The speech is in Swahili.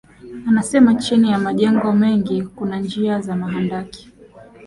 Anasema chini ya majengo mengi kuna njia za mahandaki